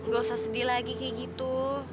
gak usah sedih lagi kayak gitu